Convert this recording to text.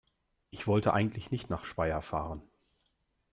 Ich wollte eigentlich nicht nach Speyer fahren